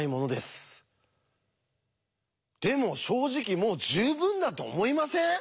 でも正直もう十分だと思いません？